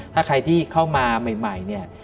ถ้าใครที่เข้ามาใหม่